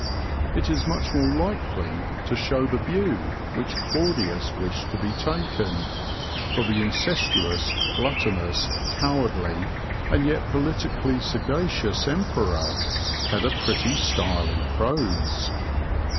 It is much more likely to show the view which Claudius wished to be taken, for the incestuous, gluttonous, cowardly, and yet politically sagacious Emperor, had a pretty style in prose.